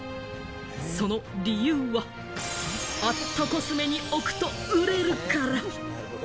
その理由はアットコスメに置くと売れるから！